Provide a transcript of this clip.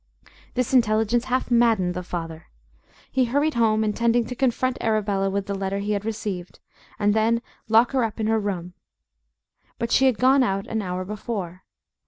This intelligence half maddened the father. He hurried home, intending to confront Arabella with the letter he had received, and then lock her up in her room. But she had gone out an hour before.